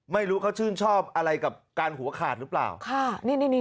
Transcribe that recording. ไม่รู้เขาชื่นชอบอะไรกับการหัวขาดรึเปล่าค่ะนี่นี่นี่